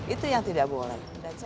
itu yang tidak boleh